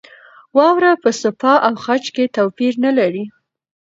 واوره په څپه او خج کې توپیر نه لري.